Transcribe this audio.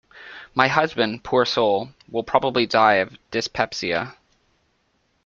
My husband, poor soul, will probably die of dyspepsia.